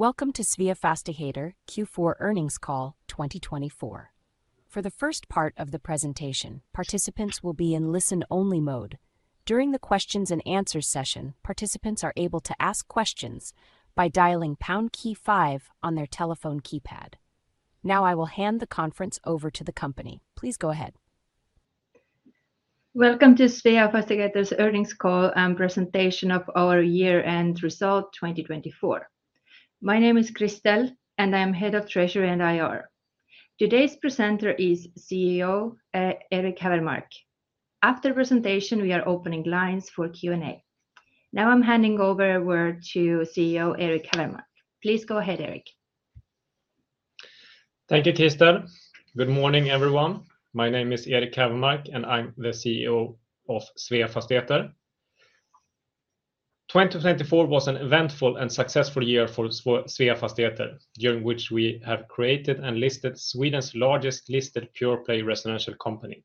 Welcome to Sveafastigheter Q4 Earnings Call 2024. For the first part of the presentation, participants will be in listen-only mode. During the Q&A session, participants are able to ask questions by dialing pound key five on their telephone keypad. Now I will hand the conference over to the company. Please go ahead. Welcome to Sveafastigheter's Earnings Call and presentation of our year-end result 2024. My name is Kristel, and I am head of Treasury and IR. Today's presenter is CEO Erik Hävermark. After the presentation, we are opening lines for Q&A. Now I'm handing over a word to CEO Erik Hävermark. Please go ahead, Erik. Thank you, Kristel. Good morning, everyone. My name is Erik Hävermark, and I'm the CEO of Sveafastigheter. 2024 was an eventful and successful year for Sveafastigheter, during which we have created and listed Sweden's largest listed pure-play residential company.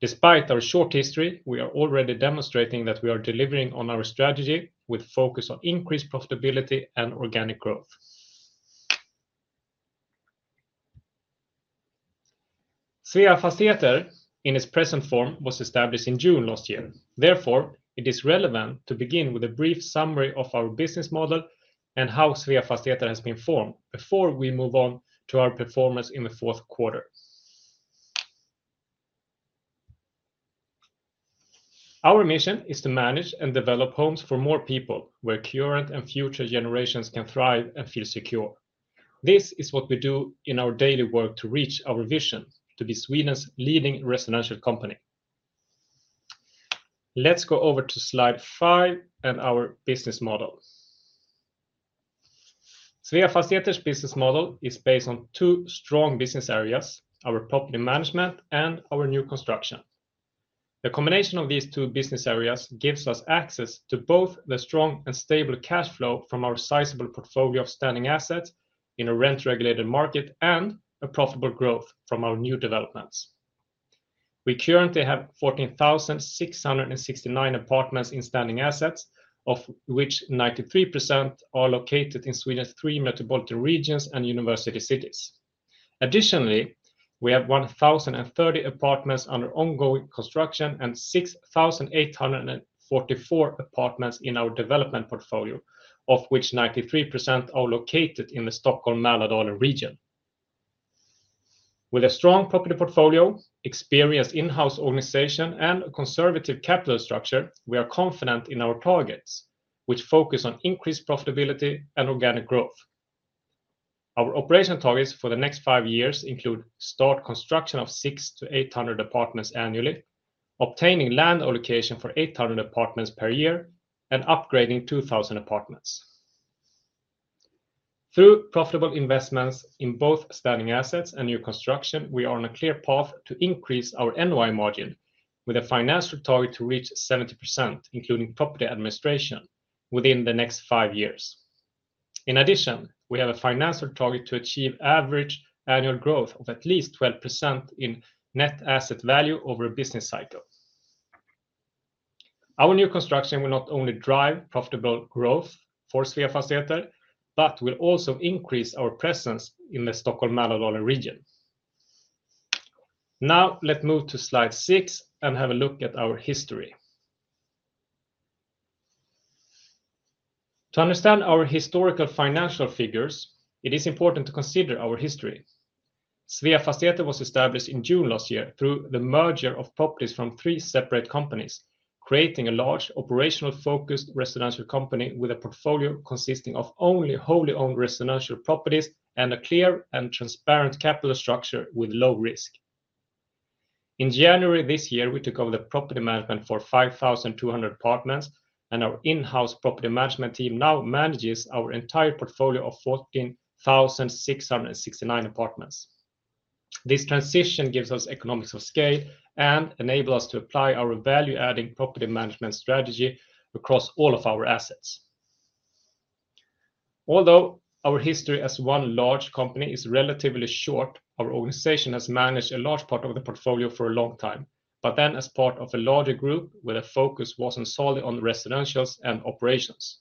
Despite our short history, we are already demonstrating that we are delivering on our strategy with a focus on increased profitability and organic growth. Sveafastigheter, in its present form, was established in June last year. Therefore, it is relevant to begin with a brief summary of our business model and how Sveafastigheter has been formed before we move on to our performance in the fourth quarter. Our mission is to manage and develop homes for more people where current and future generations can thrive and feel secure. This is what we do in our daily work to reach our vision to be Sweden's leading residential company. Let's go over to slide 5 and our business model. Sveafastigheter's business model is based on two strong business areas: our property management and our new construction. The combination of these two business areas gives us access to both the strong and stable cash flow from our sizable portfolio of standing assets in a rent-regulated market and a profitable growth from our new developments. We currently have 14,669 apartments in standing assets, of which 93% are located in Sweden's three metropolitan regions and university cities. Additionally, we have 1,030 apartments under ongoing construction and 6,844 apartments in our development portfolio, of which 93% are located in the Stockholm-Mälardalen region. With a strong property portfolio, experienced in-house organization, and a conservative capital structure, we are confident in our targets, which focus on increased profitability and organic growth. Our operational targets for the next five years include start construction of 600-800 apartments annually, obtaining land allocation for 800 apartments per year, and upgrading 2,000 apartments. Through profitable investments in both standing assets and new construction, we are on a clear path to increase our NOI margin, with a financial target to reach 70%, including property administration, within the next five years. In addition, we have a financial target to achieve average annual growth of at least 12% in net asset value over a business cycle. Our new construction will not only drive profitable growth for Sveafastigheter, but will also increase our presence in the Stockholm-Mälardalen region. Now, let's move to slide 6 and have a look at our history. To understand our historical financial figures, it is important to consider our history. Sveafastigheter was established in June last year through the merger of properties from three separate companies, creating a large, operational-focused residential company with a portfolio consisting of only wholly owned residential properties and a clear and transparent capital structure with low risk. In January this year, we took over the property management for 5,200 apartments, and our in-house property management team now manages our entire portfolio of 14,669 apartments. This transition gives us economies of scale and enables us to apply our value-adding property management strategy across all of our assets. Although our history as one large company is relatively short, our organization has managed a large part of the portfolio for a long time, but then as part of a larger group where the focus wasn't solely on residentials and operations.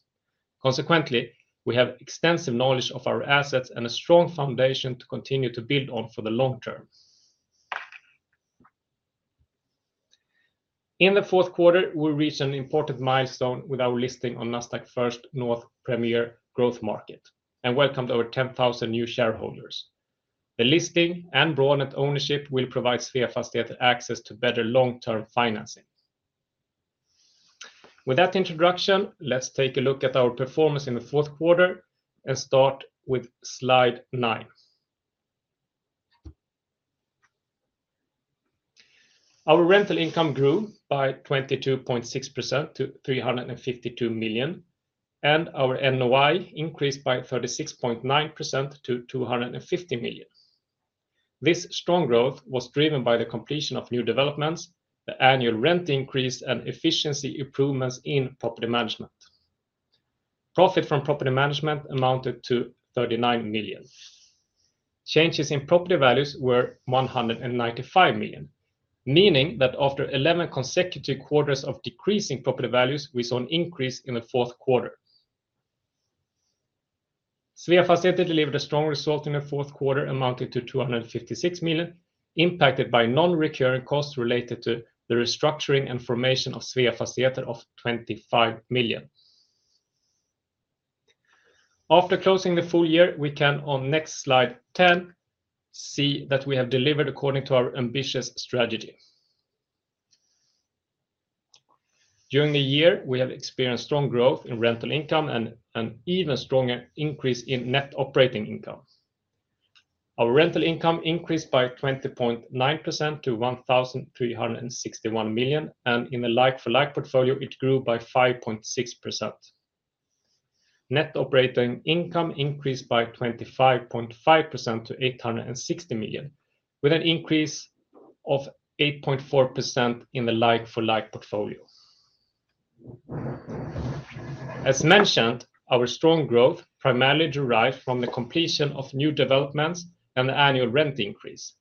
Consequently, we have extensive knowledge of our assets and a strong foundation to continue to build on for the long term. In the fourth quarter, we reached an important milestone with our listing on Nasdaq First North Premier Growth Market and welcomed over 10,000 new shareholders. The listing and broad net ownership will provide Sveafastigheter access to better long-term financing. With that introduction, let's take a look at our performance in the fourth quarter and start with slide 9. Our rental income grew by 22.6% to 352 million, and our NOI increased by 36.9% to 250 million. This strong growth was driven by the completion of new developments, the annual rent increase, and efficiency improvements in property management. Profit from property management amounted to 39 million. Changes in property values were 195 million, meaning that after 11 consecutive quarters of decreasing property values, we saw an increase in the fourth quarter. Sveafastigheter delivered a strong result in the fourth quarter, amounting to 256 million, impacted by non-recurring costs related to the restructuring and formation of Sveafastigheter of 25 million. After closing the full year, we can on next slide 10 see that we have delivered according to our ambitious strategy. During the year, we have experienced strong growth in rental income and an even stronger increase in net operating income. Our rental income increased by 20.9% to 1,361 million, and in the like-for-like portfolio, it grew by 5.6%. Net operating income increased by 25.5% to 860 million, with an increase of 8.4% in the like-for-like portfolio. As mentioned, our strong growth primarily derived from the completion of new developments and the annual rent increase.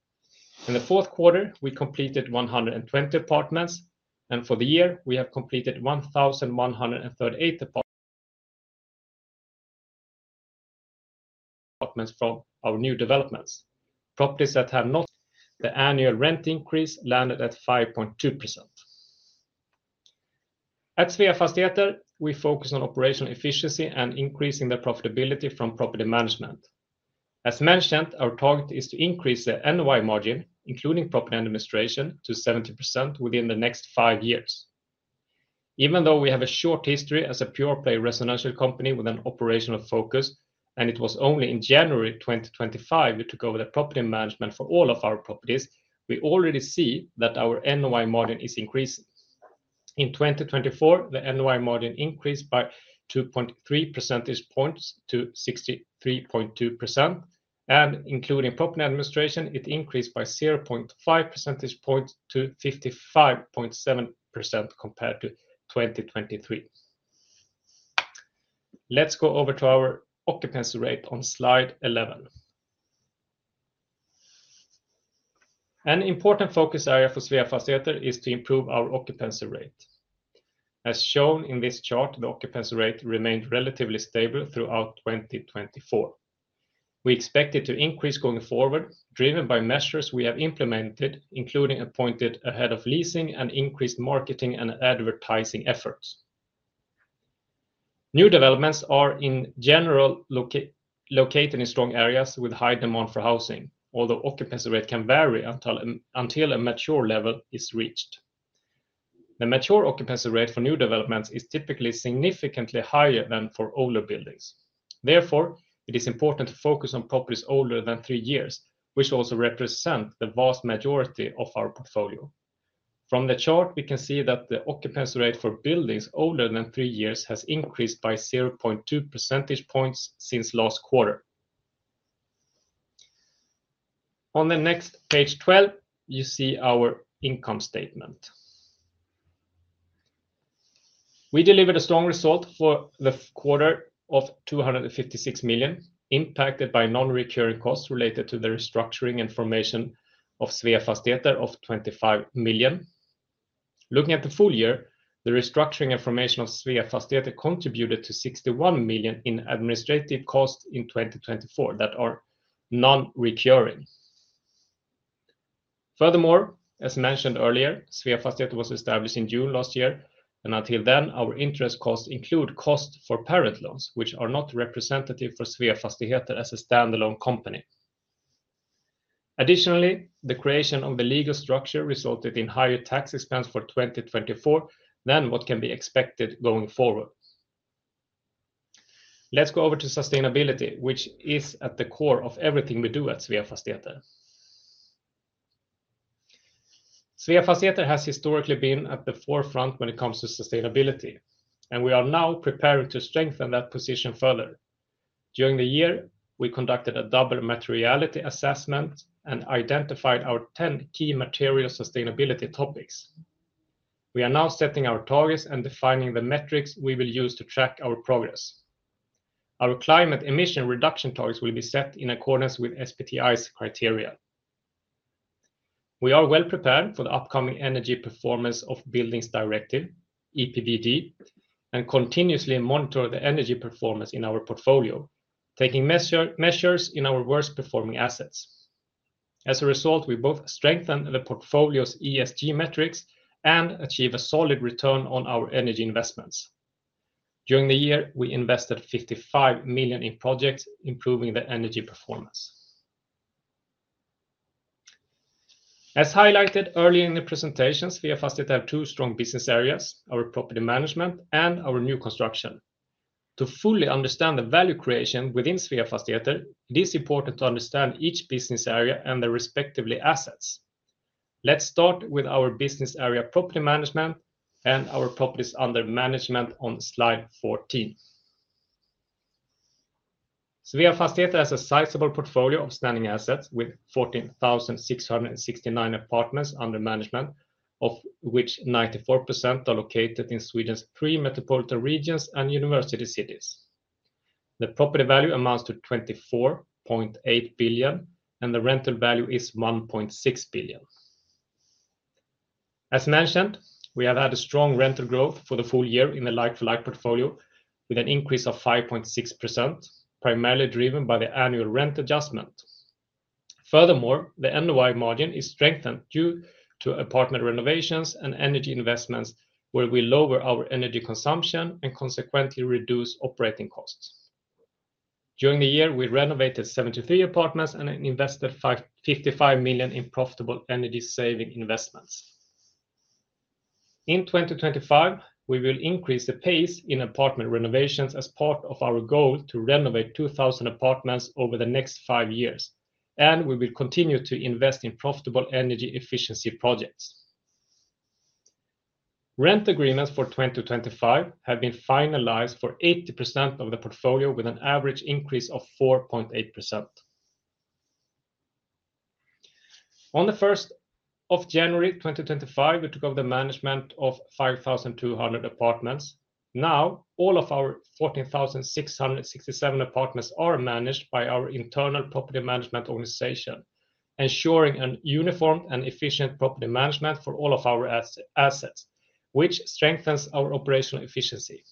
In the fourth quarter, we completed 120 apartments, and for the year, we have completed 1,138 apartments from our new developments, properties that have not. The annual rent increase landed at 5.2%. At Sveafastigheter, we focus on operational efficiency and increasing the profitability from property management. As mentioned, our target is to increase the NOI margin, including property administration, to 70% within the next five years. Even though we have a short history as a pure-play residential company with an operational focus, and it was only in January 2025 we took over the property management for all of our properties, we already see that our NOI margin is increasing. In 2024, the NOI margin increased by 2.3 percentage points to 63.2%, and including property administration, it increased by 0.5 percentage points to 55.7% compared to 2023. Let's go over to our occupancy rate on slide 11. An important focus area for Sveafastigheter is to improve our occupancy rate. As shown in this chart, the occupancy rate remained relatively stable throughout 2024. We expect it to increase going forward, driven by measures we have implemented, including appointed ahead of leasing and increased marketing and advertising efforts. New developments are in general located in strong areas with high demand for housing, although occupancy rate can vary until a mature level is reached. The mature occupancy rate for new developments is typically significantly higher than for older buildings. Therefore, it is important to focus on properties older than three years, which also represent the vast majority of our portfolio. From the chart, we can see that the occupancy rate for buildings older than three years has increased by 0.2 percentage points since last quarter. On the next page 12, you see our income statement. We delivered a strong result for the quarter of 256 million, impacted by non-recurring costs related to the restructuring and formation of Sveafastigheter of 25 million. Looking at the full year, the restructuring and formation of Sveafastigheter contributed to 61 million in administrative costs in 2024 that are non-recurring. Furthermore, as mentioned earlier, Sveafastigheter was established in June last year, and until then, our interest costs include costs for parent loans, which are not representative for Sveafastigheter as a standalone company. Additionally, the creation of the legal structure resulted in higher tax expense for 2024 than what can be expected going forward. Let's go over to sustainability, which is at the core of everything we do at Sveafastigheter. Sveafastigheter has historically been at the forefront when it comes to sustainability, and we are now preparing to strengthen that position further. During the year, we conducted a double materiality assessment and identified our 10 key material sustainability topics. We are now setting our targets and defining the metrics we will use to track our progress. Our climate emission reduction targets will be set in accordance with SBTi's criteria. We are well prepared for the upcoming Energy Performance of Buildings Directive, EPBD, and continuously monitor the energy performance in our portfolio, taking measures in our worst-performing assets. As a result, we both strengthen the portfolio's ESG metrics and achieve a solid return on our energy investments. During the year, we invested 55 million in projects improving the energy performance. As highlighted earlier in the presentation, Sveafastigheter have two strong business areas: our property management and our new construction. To fully understand the value creation within Sveafastigheter, it is important to understand each business area and their respective assets. Let's start with our business area property management and our properties under management on slide 14. Sveafastigheter has a sizable portfolio of standing assets with 14,669 apartments under management, of which 94% are located in Sweden's three metropolitan regions and university cities. The property value amounts to 24.8 billion, and the rental value is 1.6 billion. As mentioned, we have had a strong rental growth for the full year in the like-for-like portfolio, with an increase of 5.6%, primarily driven by the annual rent adjustment. Furthermore, the NOI margin is strengthened due to apartment renovations and energy investments, where we lower our energy consumption and consequently reduce operating costs. During the year, we renovated 73 apartments and invested 55 million in profitable energy-saving investments. In 2025, we will increase the pace in apartment renovations as part of our goal to renovate 2,000 apartments over the next five years, and we will continue to invest in profitable energy efficiency projects. Rent agreements for 2025 have been finalized for 80% of the portfolio, with an average increase of 4.8%. On the 1st of January 2025, we took over the management of 5,200 apartments. Now, all of our 14,667 apartments are managed by our internal property management organization, ensuring a uniform and efficient property management for all of our assets, which strengthens our operational efficiency.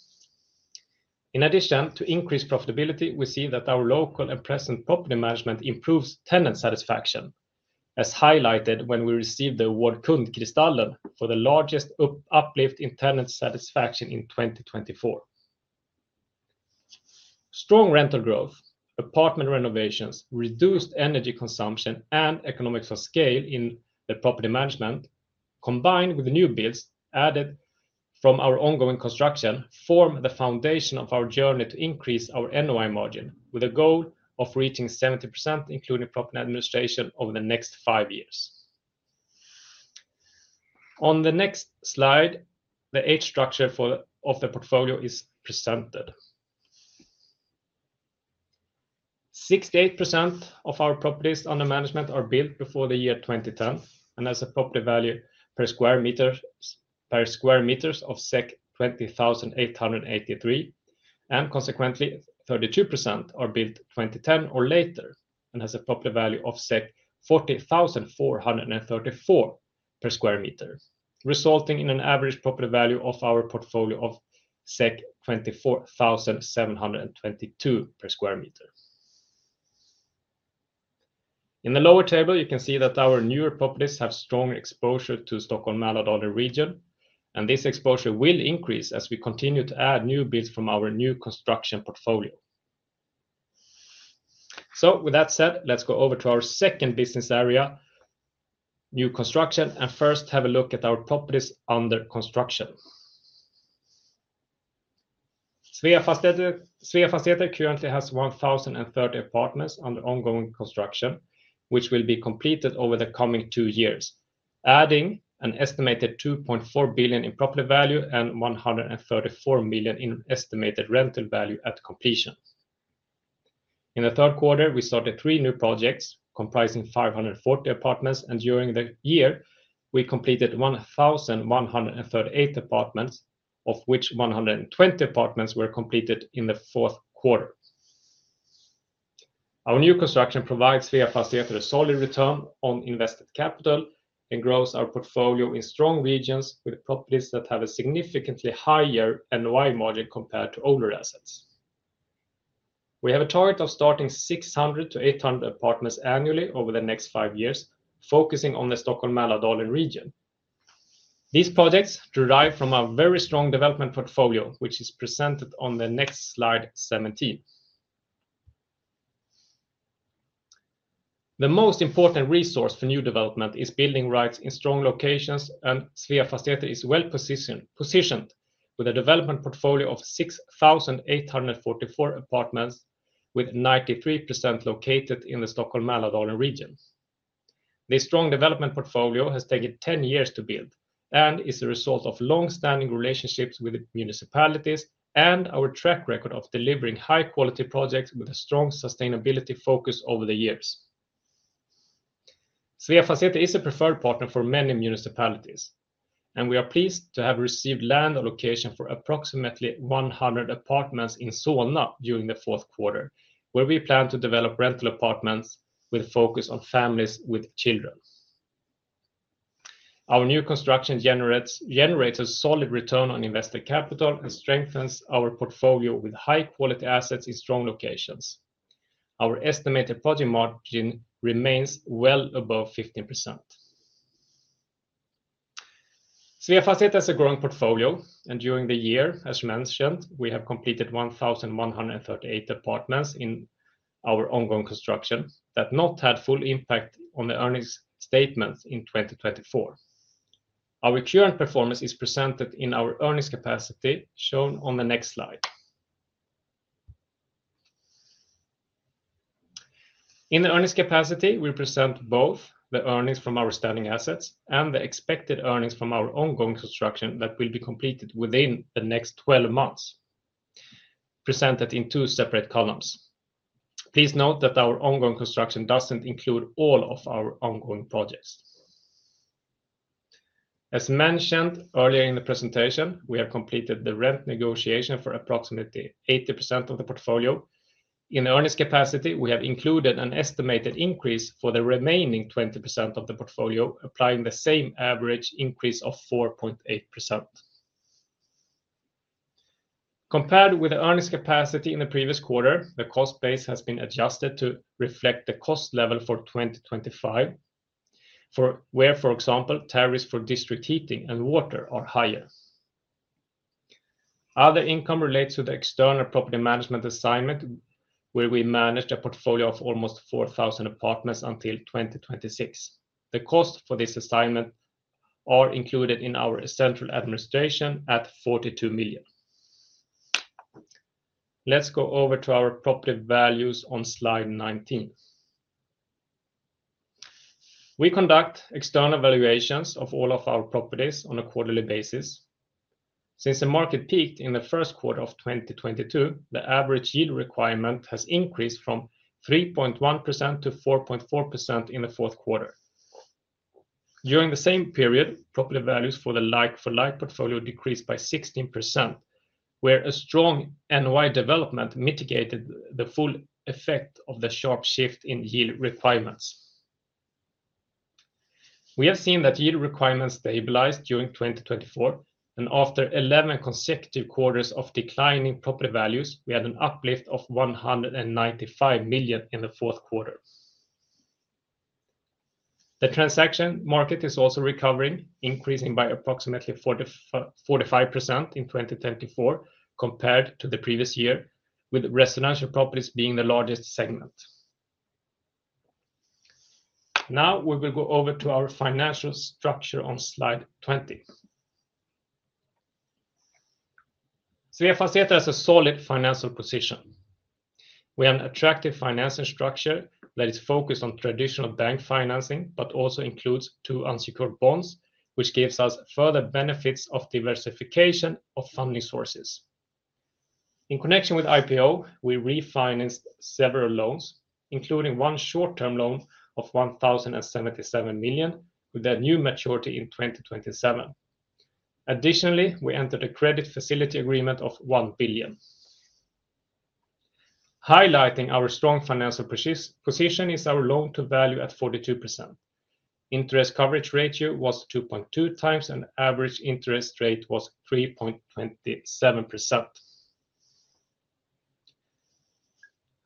In addition to increased profitability, we see that our local and present property management improves tenant satisfaction, as highlighted when we received the award Kundkristallen for the largest uplift in tenant satisfaction in 2024. Strong rental growth, apartment renovations, reduced energy consumption, and economies of scale in the property management, combined with the new builds added from our ongoing construction, form the foundation of our journey to increase our NOI margin, with a goal of reaching 70%, including property administration, over the next five years. On the next slide, the age structure of the portfolio is presented. 68% of our properties under management are built before the year 2010, and that's a property value of SEK 20,883 per square meter, and consequently, 32% are built 2010 or later, and that's a property value of 40,434 per square meter, resulting in an average property value of our portfolio of 24,722 per square meter. In the lower table, you can see that our newer properties have strong exposure to the Stockholm-Mälardalen region, and this exposure will increase as we continue to add new builds from our new construction portfolio. So, with that said, let's go over to our second business area, new construction, and first have a look at our properties under construction. Sveafastigheter currently has 1,030 apartments under ongoing construction, which will be completed over the coming two years, adding an estimated 2.4 billion in property value and 134 million in estimated rental value at completion. In the third quarter, we started three new projects comprising 540 apartments, and during the year, we completed 1,138 apartments, of which 120 apartments were completed in the fourth quarter. Our new construction provides Sveafastigheter a solid return on invested capital and grows our portfolio in strong regions with properties that have a significantly higher NOI margin compared to older assets. We have a target of starting 600-800 apartments annually over the next five years, focusing on the Stockholm-Mälardalen region. These projects derive from our very strong development portfolio, which is presented on the next slide 17. The most important resource for new development is building rights in strong locations, and Sveafastigheter is well positioned with a development portfolio of 6,844 apartments, with 93% located in the Stockholm-Mälardalen region. This strong development portfolio has taken 10 years to build and is the result of long-standing relationships with municipalities and our track record of delivering high-quality projects with a strong sustainability focus over the years. Sveafastigheter is a preferred partner for many municipalities, and we are pleased to have received land allocation for approximately 100 apartments in Solna during the fourth quarter, where we plan to develop rental apartments with a focus on families with children. Our new construction generates a solid return on invested capital and strengthens our portfolio with high-quality assets in strong locations. Our estimated project margin remains well above 15%. Sveafastigheter has a growing portfolio, and during the year, as mentioned, we have completed 1,138 apartments in our ongoing construction that have not had full impact on the earnings statements in 2024. Our current performance is presented in our earnings capacity, shown on the next slide. In the earnings capacity, we present both the earnings from our standing assets and the expected earnings from our ongoing construction that will be completed within the next 12 months, presented in two separate columns. Please note that our ongoing construction doesn't include all of our ongoing projects. As mentioned earlier in the presentation, we have completed the rent negotiation for approximately 80% of the portfolio. In the earnings capacity, we have included an estimated increase for the remaining 20% of the portfolio, applying the same average increase of 4.8%. Compared with the earnings capacity in the previous quarter, the cost base has been adjusted to reflect the cost level for 2025, where, for example, tariffs for district heating and water are higher. Other income relates to the external property management assignment, where we managed a portfolio of almost 4,000 apartments until 2026. The costs for this assignment are included in our central administration at 42 million. Let's go over to our property values on slide 19. We conduct external evaluations of all of our properties on a quarterly basis. Since the market peaked in the first quarter of 2022, the average yield requirement has increased from 3.1% to 4.4% in the fourth quarter. During the same period, property values for the like-for-like portfolio decreased by 16%, where a strong NOI development mitigated the full effect of the sharp shift in yield requirements. We have seen that yield requirements stabilized during 2024, and after 11 consecutive quarters of declining property values, we had an uplift of 195 million in the fourth quarter. The transaction market is also recovering, increasing by approximately 45% in 2024 compared to the previous year, with residential properties being the largest segment. Now, we will go over to our financial structure on slide 20. Sveafastigheter has a solid financial position. We have an attractive financing structure that is focused on traditional bank financing, but also includes two unsecured bonds, which gives us further benefits of diversification of funding sources. In connection with IPO, we refinanced several loans, including one short-term loan of 1,077 million, with a new maturity in 2027. Additionally, we entered a credit facility agreement of 1 billion. Highlighting our strong financial position is our loan-to-value at 42%. Interest coverage ratio was 2.2 times, and the average interest rate was 3.27%.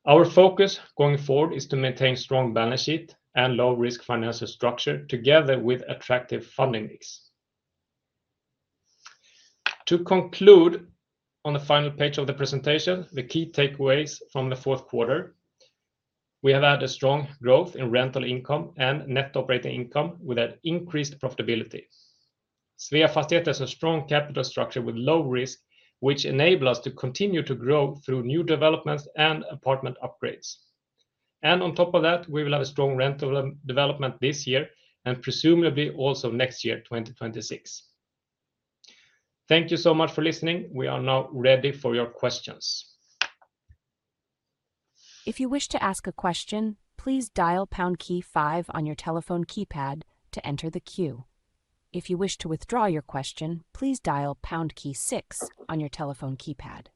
Our focus going forward is to maintain a strong balance sheet and low-risk financial structure, together with attractive funding mix. To conclude on the final page of the presentation, the key takeaways from the fourth quarter: we have had a strong growth in rental income and net operating income, with an increased profitability. Sveafastigheter has a strong capital structure with low risk, which enables us to continue to grow through new developments and apartment upgrades, and on top of that, we will have a strong rental development this year and presumably also next year, 2026. Thank you so much for listening. We are now ready for your questions. If you wish to ask a question, please dial pound key five on your telephone keypad to enter the queue. If you wish to withdraw your question, please dial pound key six on your telephone keypad.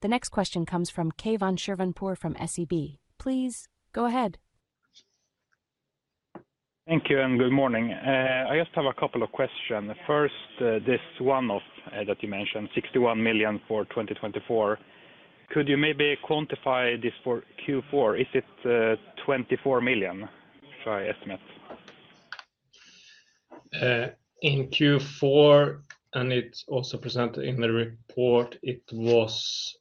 The next question comes from Keivan Shirvanpour from SEB. Please go ahead. Thank you and good morning. I just have a couple of questions. First, this one that you mentioned, 61 million for 2024, could you maybe quantify this for Q4? Is it 24 million? Rough estimate. In Q4, and it's also presented in the report, it was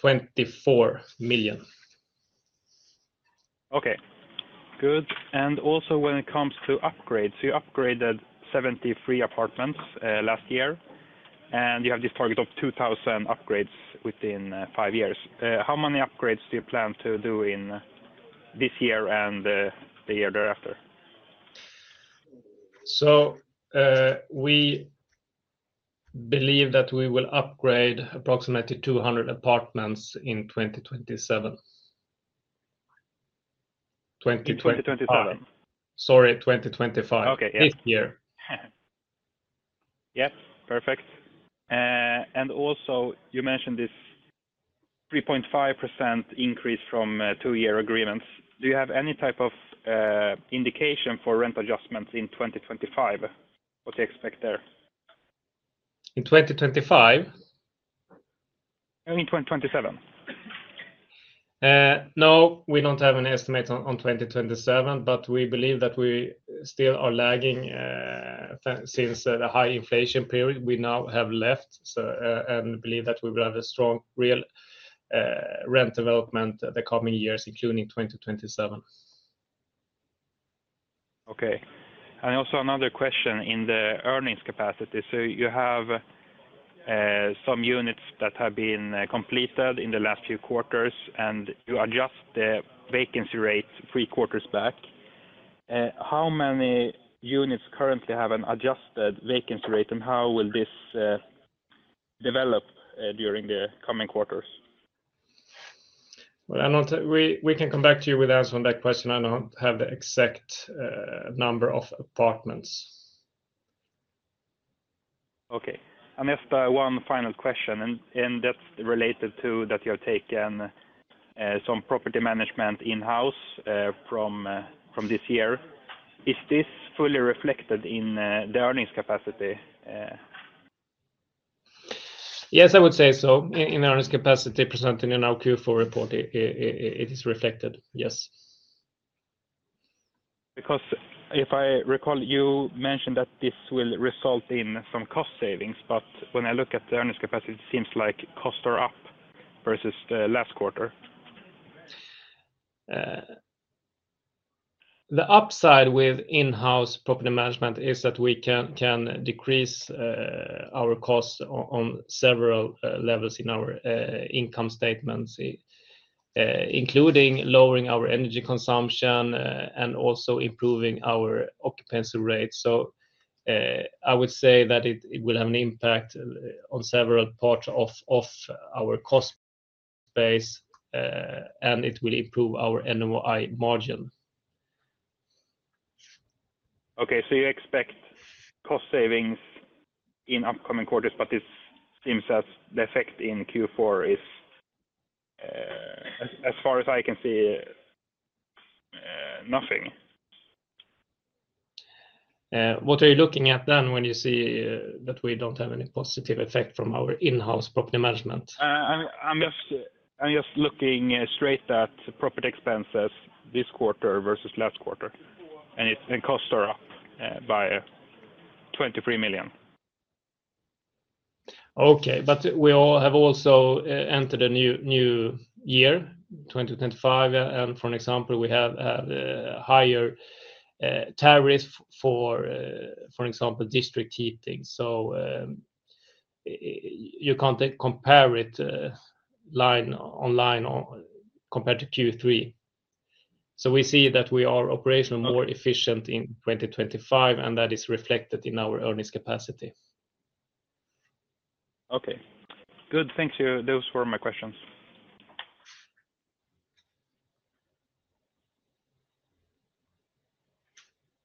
24 million. Okay. Good. And also, when it comes to upgrades, you upgraded 73 apartments last year, and you have this target of 2,000 upgrades within five years. How many upgrades do you plan to do in this year and the year thereafter? So we believe that we will upgrade approximately 200 apartments in 2027. 2025. Sorry, 2025. Okay. Yeah. This year. Yep. Perfect. And also, you mentioned this 3.5% increase from two-year agreements. Do you have any type of indication for rent adjustments in 2025? What do you expect there? In 2025? In 2027. No, we don't have an estimate on 2027, but we believe that we still are lagging since the high inflation period we now have left, and we believe that we will have a strong real rent development the coming years, including 2027. Okay. And also another question in the earnings capacity. So you have some units that have been completed in the last few quarters, and you adjust the vacancy rate three quarters back. How many units currently have an adjusted vacancy rate, and how will this develop during the coming quarters? We can come back to you with answers on that question. I don't have the exact number of apartments. Okay. And just one final question, and that's related to that you have taken some property management in-house from this year. Is this fully reflected in the earnings capacity? Yes, I would say so. In the earnings capacity presented in our Q4 report, it is reflected, yes. Because if I recall, you mentioned that this will result in some cost savings, but when I look at the earnings capacity, it seems like costs are up versus the last quarter. The upside with in-house property management is that we can decrease our costs on several levels in our income statements, including lowering our energy consumption and also improving our occupancy rate. I would say that it will have an impact on several parts of our cost base, and it will improve our NOI margin. Okay. You expect cost savings in upcoming quarters, but it seems as the effect in Q4 is, as far as I can see, nothing. What are you looking at then when you see that we don't have any positive effect from our in-house property management? I'm just looking straight at property expenses this quarter versus last quarter, and costs are up by 23 million. Okay. We have also entered a new year, 2025, and for example, we have a higher tariff for, for example, district heating. So you can't compare it online compared to Q3. So we see that we are operationally more efficient in 2025, and that is reflected in our earnings capacity. Okay. Good. Thank you. Those were my questions.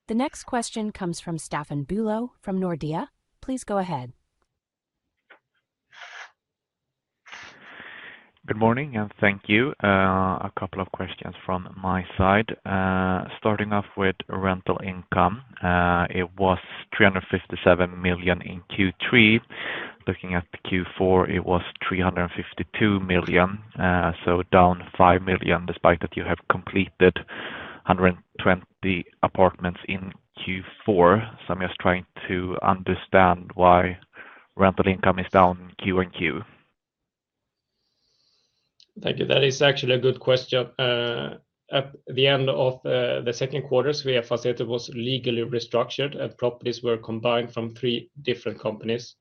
The next question comes from Staffan Bülow from Nordea. Please go ahead. Good morning, and thank you. A couple of questions from my side. Starting off with rental income, it was 357 million in Q3. Looking at Q4, it was 352 million, so down 5 million despite that you have completed 120 apartments in Q4. So I'm just trying to understand why rental income is down Q and Q. Thank you. That is actually a good question. At the end of the second quarter, Sveafastigheter was legally restructured, and properties were combined from three different companies.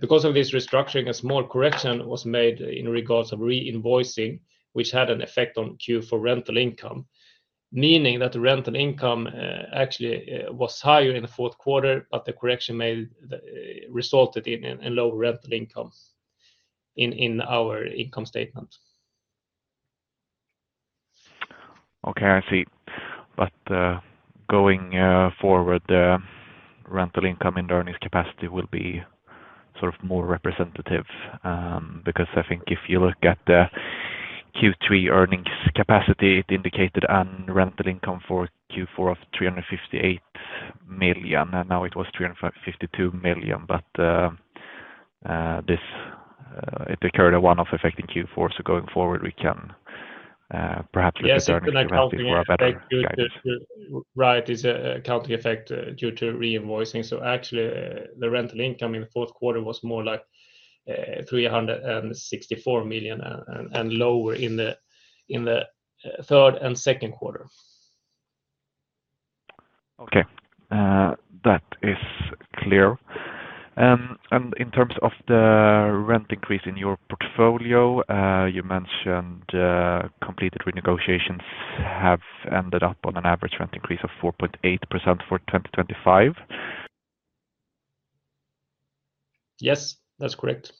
Because of this restructuring, a small correction was made in regards to reinvoicing, which had an effect on Q4 rental income, meaning that the rental income actually was higher in the fourth quarter, but the correction resulted in lower rental income in our income statement. Okay. I see. But going forward, rental income in the earnings capacity will be sort of more representative because I think if you look at the Q3 earnings capacity, it indicated a rental income for Q4 of 358 million, and now it was 352 million. But it occurred one-off effect in Q4, so going forward, we can perhaps look at the earnings for a better guidance. Right. It's an accounting effect due to reinvoicing. So actually, the rental income in the fourth quarter was more like 364 million and lower in the third and second quarter. Okay. That is clear. And in terms of the rent increase in your portfolio, you mentioned completed renegotiations have ended up on an average rent increase of 4.8% for 2025. Yes, that's correct.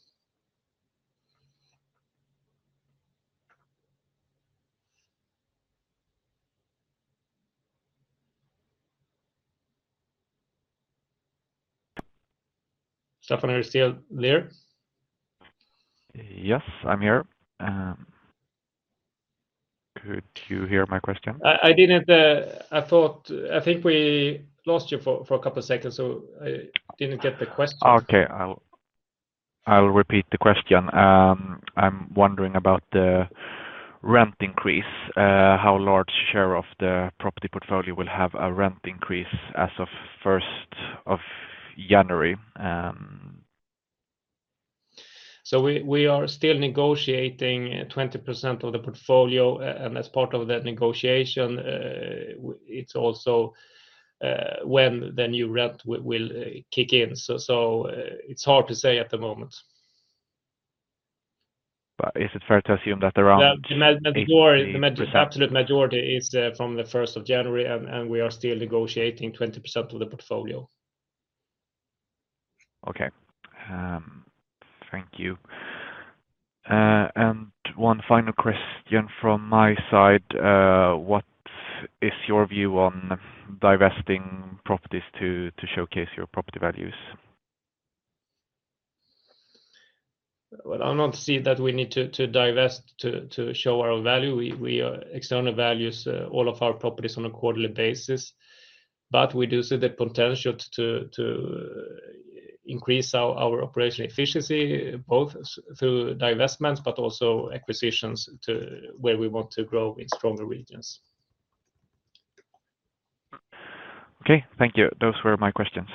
Stefan, are you still there? Yes, I'm here. Could you hear my question? I think we lost you for a couple of seconds, so I didn't get the question. Okay. I'll repeat the question. I'm wondering about the rent increase, how large a share of the property portfolio will have a rent increase as of 1st of January. So we are still negotiating 20% of the portfolio, and as part of that negotiation, it's also when the new rent will kick in. So it's hard to say at the moment. But is it fair to assume that around? The absolute majority is from the 1st of January, and we are still negotiating 20% of the portfolio. Okay. Thank you. And one final question from my side. What is your view on divesting properties to showcase your property values? Well, I don't see that we need to divest to show our value. We external value all of our properties on a quarterly basis, but we do see the potential to increase our operational efficiency both through divestments but also acquisitions to where we want to grow in stronger regions. Okay. Thank you. Those were my questions.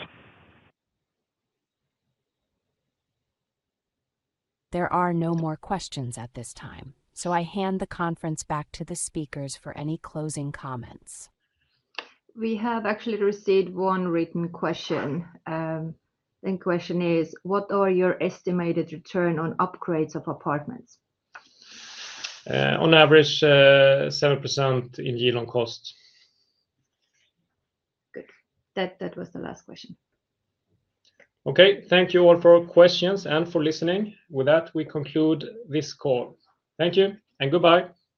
There are no more questions at this time, so I hand the conference back to the speakers for any closing comments. We have actually received one written question. The question is, what are your estimated return on upgrades of apartments? On average, 7% in year-long costs. Good. That was the last question. Okay. Thank you all for questions and for listening. With that, we conclude this call. Thank you and goodbye.